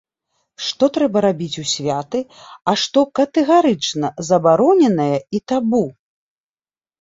Што трэба рабіць у святы, а што катэгарычна забароненае і табу?